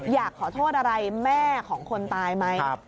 อยากขอโทษอะไรแม่ของคนตายไหม